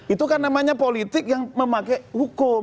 itu kan namanya politik yang memakai hukum